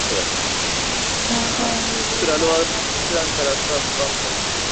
Some klans use all-white robes regardless of rank.